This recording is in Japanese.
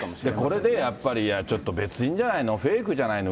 これでやっぱりちょっと別人じゃないの、フェイクじゃないの？